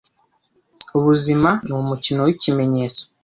ubuzima ni umukino wikimenyetso